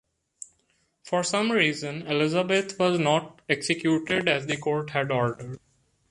For some reason, Elizabeth was not executed as the court had ordered.